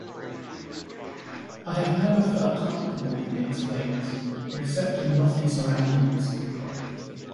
"I have never felt comfortable," he explains, "except in lofty surroundings.